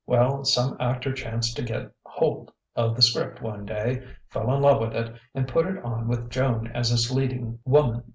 Well, some actor chanced to get hold of the 'script one day, fell in love with it and put it on with Joan as his leading woman.